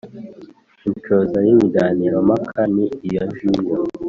Inshoza y’ibiganiro mpaka ni iyongiyo